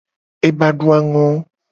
Ebe a adu a ngo.